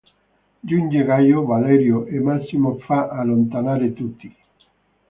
Giunge Gaio Valerio, e Massimo fa allontanare tutti.